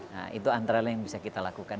nah itu antara lain yang bisa kita lakukan